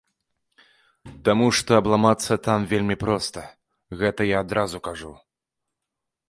Таму што абламацца там вельмі проста, гэта я адразу кажу.